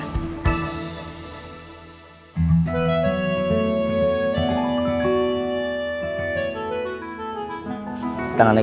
tangan gue tuh kaku